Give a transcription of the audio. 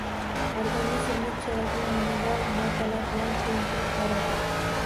Organizmni kerakli mineral moddalar bilan toʻyintirib boradi